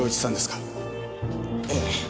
ええ。